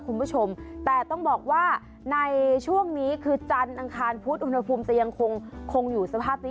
คุณผู้ชมแต่ต้องบอกว่าในช่วงนี้คือจันทร์อังคารพุธอุณหภูมิจะยังคงอยู่สภาพนี้